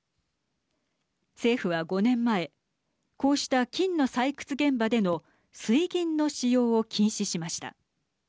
政府は５年前こうした金の採掘現場での水銀の使用を禁止しました。